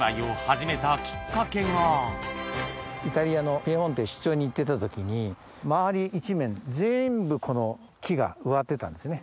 それまではそんな名人がに行ってた時に周り一面全部この木が植わってたんですね。